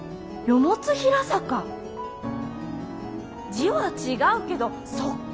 字は違うけどそっか！